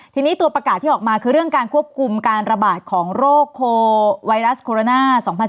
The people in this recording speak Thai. ทีนี้ตัวประกาศที่ออกมาคือเรื่องการควบคุมการระบาดของโรคโคไวรัสโคโรนา๒๐๑๙